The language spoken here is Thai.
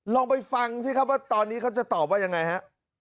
ลองไปฟังสิครับว่าตอนนี้เขาจะตอบว่ายังไงฮะ